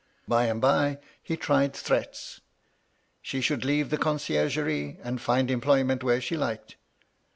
By and by he tried threats. She should leave the conciergerie, and find employment where she liked.